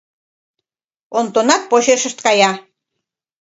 Онтонат почешышт кая.